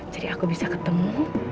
jadi aku bisa ketemu